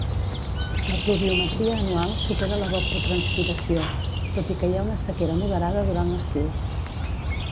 La pluviometria anual supera l'evapotranspiració, tot i que hi ha una sequera moderada durant l'estiu.